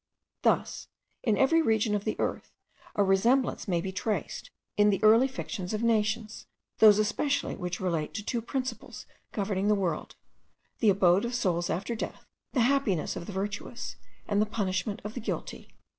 Thus in every region of the earth a resemblance may be traced in the early fictions of nations, those especially which relate to two principles governing the world, the abode of souls after death, the happiness of the virtuous and the punishment of the guilty.